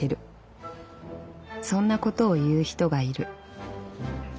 そんなことを言う人がいる。